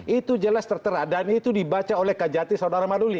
itu jelas tertera dan itu dibaca oleh kajati saudara maduli